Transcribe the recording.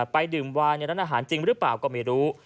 ไปดื่มวายในร้านอาหารจริงหรือเปล่าก็ไม่รู้